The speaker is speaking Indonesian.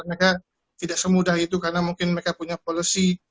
mereka tidak semudah itu karena mungkin mereka punya policy